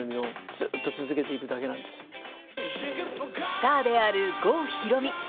スターである郷ひろみ。